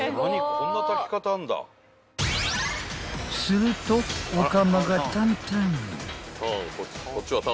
［するとお釜がタンタン］